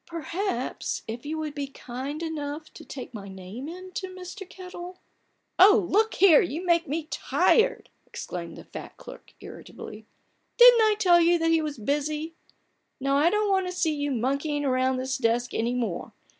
" Perhaps if you would be kind enough to take my name in to Mr. Kettel —" 11 Oh, look here, you make me tired !" exclaimed the fat clerk, irritably. "Didn't I tell you that he was busy? Now, I don't want to see you monkeying round this desk any more